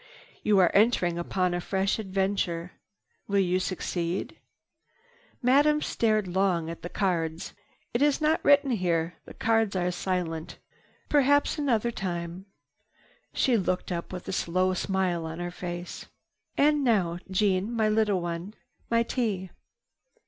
"You are entering upon a fresh adventure. Will you succeed?" Madame stared long at the cards. "It is not written here. The cards are silent. Perhaps another time." She looked up with a slow smile on her face. "And now, Jeannie, my little one, my tea."